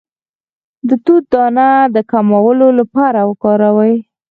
د توت دانه د کولمو لپاره وکاروئ